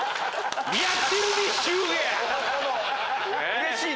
うれしい！